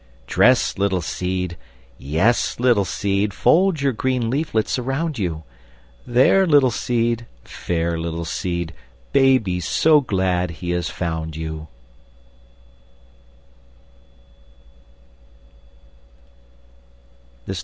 Dress, little seed! Yes, little seed, Fold your green leaflets around you; There, little seed! Fair little seed, Baby's so glad he has found you!